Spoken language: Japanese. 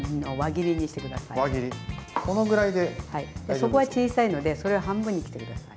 そこは小さいのでそれを半分に切って下さい。